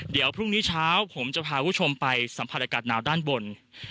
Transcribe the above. เดี๋ยวพรุ่งนี้เช้าผมจะพาคุณผู้ชมไปสัมผัสอากาศหนาวด้านบน